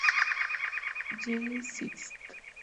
J. Syst.